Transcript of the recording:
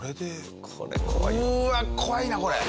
うわ怖いなこれ。